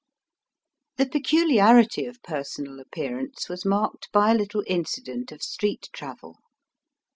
The peculiarity of personal appearance was marked hy a little incident of street travel.